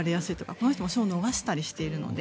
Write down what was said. この人も賞を逃したことがあるので。